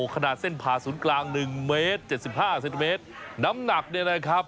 ขนาดเส้นผ่าศูนย์กลางหนึ่งเมตรเจ็ดสิบห้าเซนติเมตรน้ำหนักเนี่ยนะครับ